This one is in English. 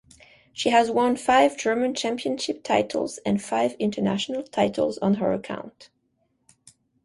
She has won five German championship titles and five international titles on her account.